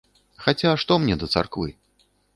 Хаця, што мне да царквы?